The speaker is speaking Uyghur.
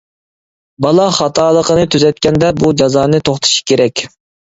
بالا خاتالىقىنى تۈزەتكەندە بۇ جازانى توختىتىش كېرەك.